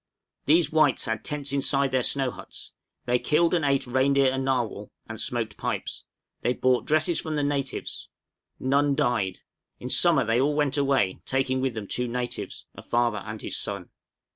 These whites had tents inside their snow huts; they killed and ate reindeer and narwhal, and smoked pipes; they bought dresses from the natives; none died; in summer they all went away, taking with them two natives, a father and his son.